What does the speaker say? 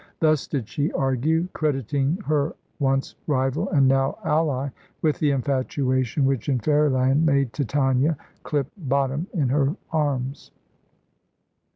Thus did she argue, crediting her once rival and now ally with the infatuation which, in Fairyland, made Titania clip Bottom in her arms.